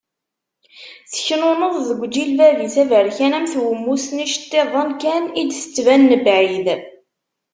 Teknuneḍ deg uǧilbab-is aberkan am twemmust n yiceṭṭiḍen kan i d-tettban mebɛid.